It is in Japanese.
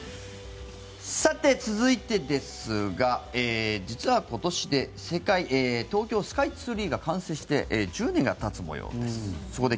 さて、続いてですが実は今年で東京スカイツリーが完成して１０年がたつ模様です。